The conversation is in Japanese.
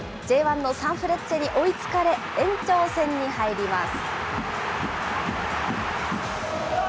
Ｊ１のサンフレッチェに追いつかれ、延長戦に入ります。